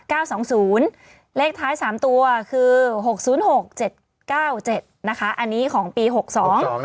สองศูนย์เลขท้ายสามตัวคือหกศูนย์หกเจ็ดเก้าเจ็ดนะคะอันนี้ของปีหกสอง